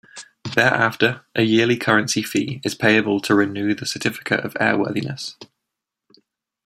Thereafter, a yearly currency fee is payable to renew the Certificate of Airworthiness.